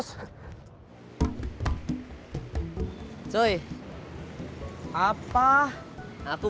masih ada yang mau